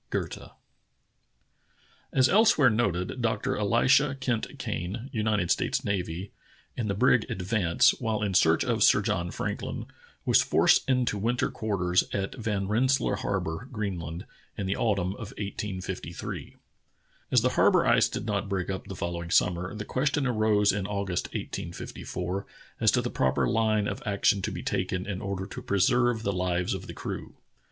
— Goethe. A S elsewhere noted, Dr. Elisha Kent Kane, United J\ States Navy, in the brig j^dvance, while in search of Sir John FrankHn, was forced into winter quarters at Van Rensselaer Harbor, Greenland, in the Autumn of 1853. As the harbor ice did not break up the following summer, the question arose in August, 1854, as to the proper line of action to be taken in order to preserve the lives of the crew.